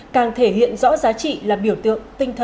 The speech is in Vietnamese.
càng thể hiện rõ giá trị là biểu tượng tinh thần